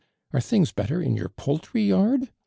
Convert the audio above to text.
Are things better in your poultry yard?